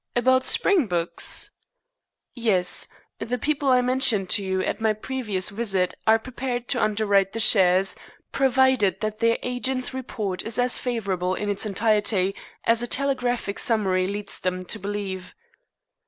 "About Springboks?" "Yes. The people I mentioned to you at my previous visit are prepared to underwrite the shares, provided that their agent's report is as favorable in its entirety as a telegraphic summary leads them to believe."